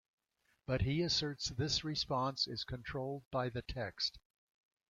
But he asserts this response is controlled by the text.